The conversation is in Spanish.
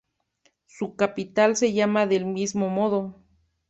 Su capital se llama del mismo modo.